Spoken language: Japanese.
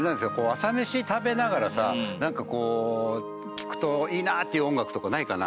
朝メシ食べながらさなんかこう聴くといいなっていう音楽とかないかな？